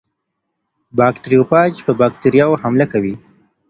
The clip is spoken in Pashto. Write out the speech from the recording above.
باکتریوفاج په باکتریاوو حمله کوي.